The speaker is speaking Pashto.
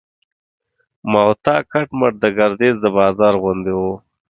موته کټ مټ د ګردیز د بازار غوندې و.